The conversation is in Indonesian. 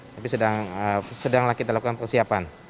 tapi sedanglah kita lakukan persiapan